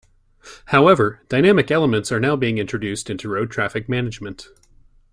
However, dynamic elements are now being introduced into road traffic management.